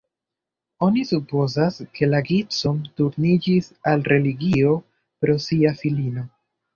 Oni supozas, ke la Gibson turniĝis al religio pro sia filino.